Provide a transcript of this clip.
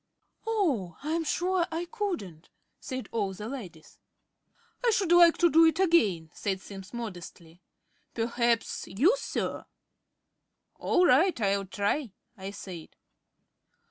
"Oh, I'm sure I couldn't," said all the ladies. "I should like to do it again," said Simms modestly. "Perhaps you, Sir?" "All right, I'll try," I said.